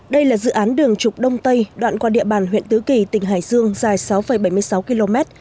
đây là dự án đường trục đông tây đoạn qua địa bàn huyện tứ kỳ tỉnh hải dương dài sáu bảy mươi sáu km